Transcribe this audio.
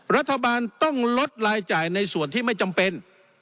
รัฐบาลต้องลดรายจ่ายในส่วนที่ไม่จำเป็น